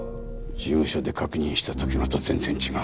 事務所で確認したときのと全然違う。